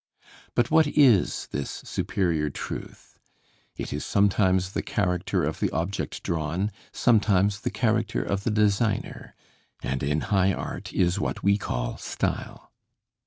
But what is this superior truth? It is sometimes the character of the object drawn, sometimes the character of the designer, and in high art is what we call style.